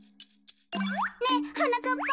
ねえはなかっぱ！